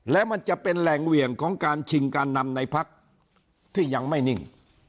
และมันจะเป็นแหล่งเหวี่ยงของการชิงการนำในพักที่ยังไม่นิ่ง